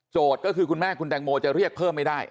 ก็คือคุณแม่คุณแตงโมจะเรียกเพิ่มไม่ได้